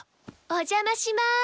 おじゃまします。